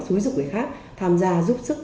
xúi dụng người khác tham gia giúp sức